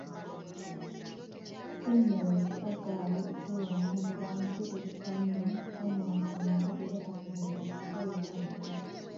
Si muntu adda awo okwewaana mu bintu ebitaliimu, tanywa mwenge era tafuweeta sigala oba njaga.